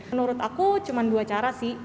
menurut aku cuma dua cara sih